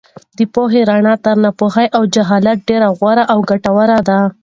د پوهې رڼا تر ناپوهۍ او جهالت ډېره غوره او ګټوره ده.